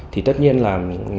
thì tất nhiên là ngân hàng